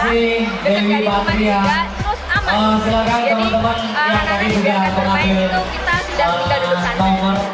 jadi anak anak yang diberikan permainan itu kita tidak tinggal duduk sana